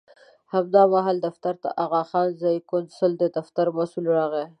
همدا مهال دفتر ته د اغاخان ځایي کونسل د دفتر مسوول راغی.